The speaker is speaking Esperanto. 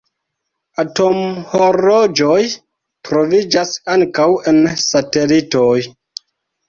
Atomhorloĝoj troviĝas ankaŭ en satelitoj.